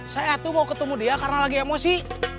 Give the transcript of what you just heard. saya tuh mau ketemu dia karena lagi emosi